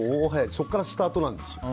そこからスタートなんですよ。